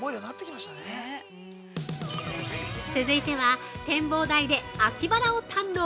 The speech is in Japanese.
◆続いては、展望台で秋バラを堪能！